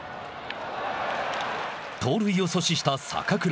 盗塁を阻止した坂倉。